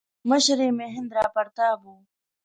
مشر یې مهیندراپراتاپ و.